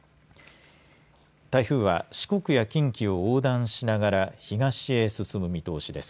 台風は四国や近畿を横断しながら東へ進む見通しです。